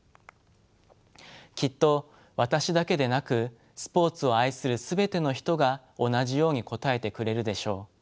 きっと私だけでなくスポーツを愛する全ての人が同じように答えてくれるでしょう。